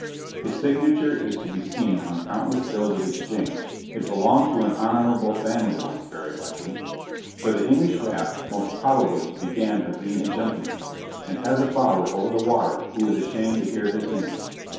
His signature is to be seen on countless bills of exchange: it belonged to an honourable family once, very likely; for the English Raff most probably began by being a gentleman, and has a father over the water who is ashamed to hear his name.